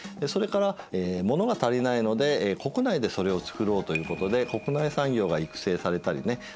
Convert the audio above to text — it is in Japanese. それから物が足りないので国内でそれを作ろうということで国内産業が育成されたりね。